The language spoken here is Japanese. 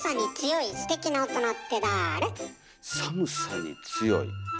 寒さに強い。